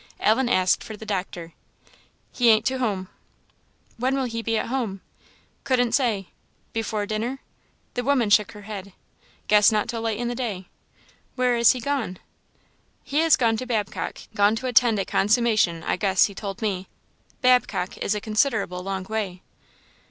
Ellen asked for the doctor. "He ain't to hum." "When will he be at home?" "Couldn't say." "Before dinner?" The woman shook her head. "Guess not till late in the day." "Where is he gone?" "He is gone to Babcock gone to attend a 'consummation,' I guess, he told me Babcock is a considerable long way."